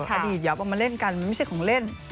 อดีตอย่าเอามาเล่นกันมันไม่ใช่ของเล่น